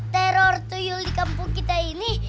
teror toil di kampung kita ini